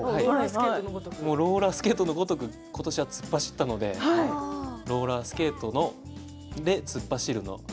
ローラースケートのごとく今年は突っ走ったのでローラースケートのそれで突っ走るの「走」。